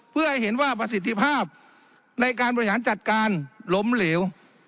เพื่อให้เห็นว่าประสิทธิภาพในการบริหารจัดการล้มเหลว